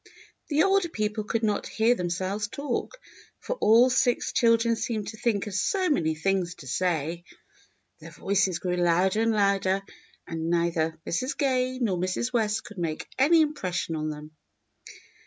The older people could not hear themselves talk, for all six children seemed to think of so many things to say. Their voices grew louder and louder, and neither Mrs. Gay nor Mrs. West could make any impression on them.